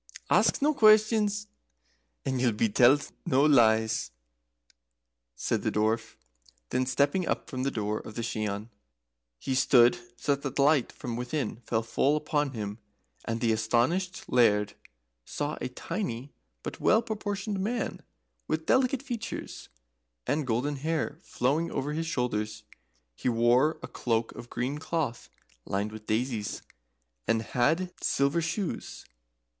"Ask no questions, and ye'll be tellt no lees," said the Dwarf. Then stepping up to the door of the Shian, he stood so that the light from within fell full upon him, and the astonished Laird saw a tiny but well proportioned man, with delicate features, and golden hair flowing over his shoulders. He wore a cloak of green cloth, lined with daisies, and had silver shoes.